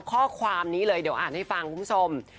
ข้อความนี้เลยเดี๋ยวอ่านให้ฟังคุณผู้ชม